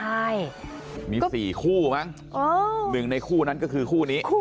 ใช่ไหมก็มี๔คู่มั้งอำ้าหนึ่งในคู่นั้นก็คือคู่นี้